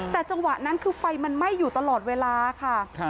แต่จังหวะนั้นคือไฟมันไหม้อยู่ตลอดเวลาค่ะ